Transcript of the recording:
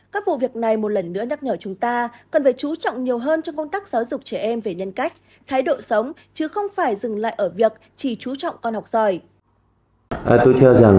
các vụ việc này một lần nữa nhắc nhở chúng ta cần phải chú trọng nhiều hơn cho công tác giáo dục trẻ em về nhân cách thái độ sống chứ không phải dừng lại ở việc chỉ trú trọng con học giỏi